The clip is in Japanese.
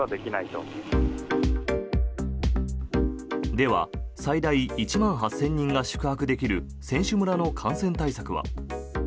では最大１万８０００人が宿泊できる選手村の感染対策は。